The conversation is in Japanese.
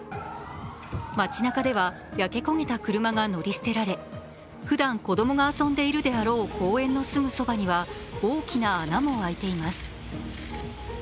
街なかでは焼け焦げた車が乗り捨てられふだん子供が遊んでいるであろう公園のすぐそばには大きな穴も開いています。